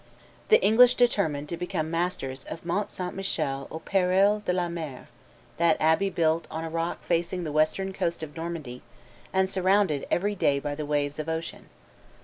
The English determined to become masters of Mont St. Michel au peril de la mer, that abbey built on a rock facing the western coast of Normandy and surrounded every day by the waves of ocean.